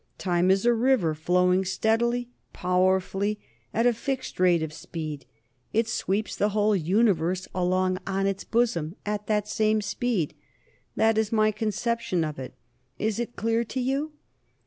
Time is a river, flowing steadily, powerful, at a fixed rate of speed. It sweeps the whole Universe along on its bosom at that same speed. That is my conception of it; is it clear to you?"